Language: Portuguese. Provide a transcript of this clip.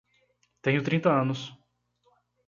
Tenho trinta anos.